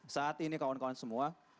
saat ini kawan kawan semua